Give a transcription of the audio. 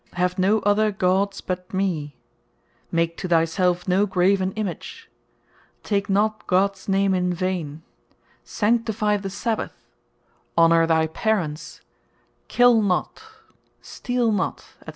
"Have no other Gods but me; Make to thy selfe no graven Image; Take not Gods name in vain; Sanctifie the Sabbath; Honour thy Parents; Kill not; Steale not," &c.